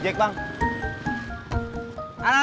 cepat semangnya bang